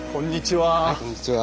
はいこんにちは。